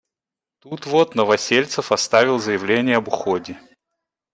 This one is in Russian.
Тут вот Новосельцев оставил заявление об уходе.